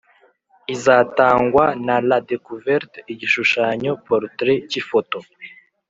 izatangwa na La Decouverte; igishushanyo (portrait) cy’ifoto